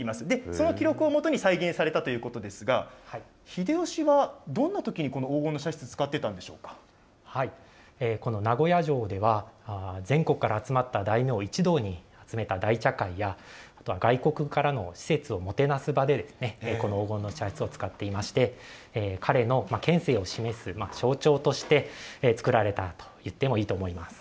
その記録をもとに再現されたということですが、秀吉はどんなときにこの黄金の茶室を使ってたんでこの名護屋城では、全国から集まった大名一堂に集めた大茶会や、あとは外国からの使節をもてなす場で、この黄金の茶室を使っていまして、彼の権勢を示す象徴としてつくられたといってもいいと思います。